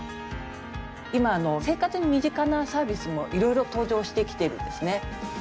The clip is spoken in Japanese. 今、生活に身近なサービスもいろいろ登場してきてるんですね。